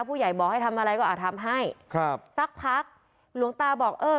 ผู้ใหญ่บอกให้ทำอะไรก็อ่ะทำให้ครับสักพักหลวงตาบอกเออ